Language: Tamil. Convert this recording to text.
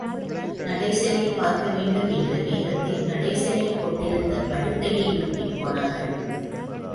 நடேசனைப் பார்க்க வேண்டும் என்ற வேகத்தில், நடேசனைப் போட்டிருந்த படுக்கையை நோக்கிப் போனார்கள்.